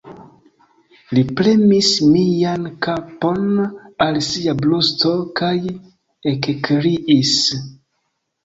Li premis mian kapon al sia brusto kaj ekkriis: